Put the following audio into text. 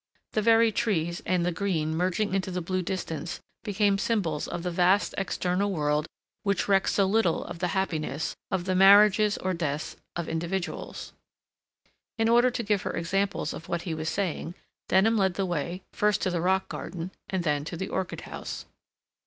The very trees and the green merging into the blue distance became symbols of the vast external world which recks so little of the happiness, of the marriages or deaths of individuals. In order to give her examples of what he was saying, Denham led the way, first to the Rock Garden, and then to the Orchid House.